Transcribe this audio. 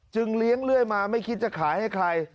เลี้ยงเรื่อยมาไม่คิดจะขายให้ใคร